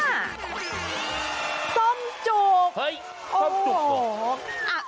เฮ่ยส้มจุกหรอ